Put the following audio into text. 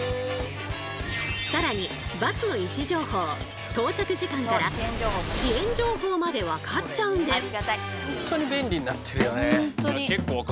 更にバスの位置情報到着時間から遅延情報まで分かっちゃうんです。